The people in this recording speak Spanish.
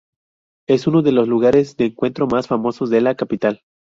Es uno de los lugares de encuentro más famosos de la capital.